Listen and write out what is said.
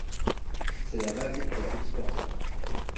C'est la vague des petits porteurs.